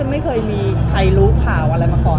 ไม่เคยมีใครรู้ข่าวอะไรมาก่อน